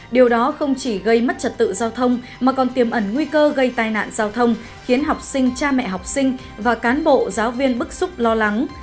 điều đó không chỉ gây mất trật tự giao thông mà còn tiềm ẩn nguy cơ gây tai nạn giao thông khiến học sinh cha mẹ học sinh và cán bộ giáo viên bức xúc lo lắng